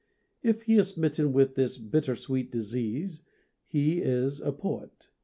If he is smitten with this bitter sweet disease he is a poet.